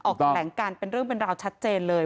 ออกแถลงการเป็นเรื่องเป็นราวชัดเจนเลย